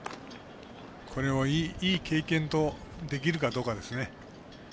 いい経験とできるかどうかですね。